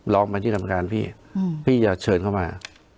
ล้อมมาที่กรรมการพี่พี่จะเชิญเข้ามา